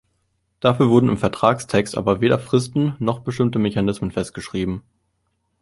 Dafür wurden im Vertragstext aber weder Fristen noch bestimmte Mechanismen festgeschrieben.